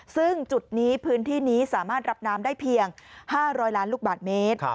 ซึ่งจุดนี้พื้นที่นี้สามารถรับน้ำได้เพียง๕๐๐ล้านลูกบาทเมตร